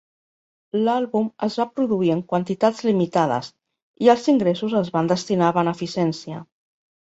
L'àlbum es va produir en quantitats limitades i els ingressos es van destinar a beneficència.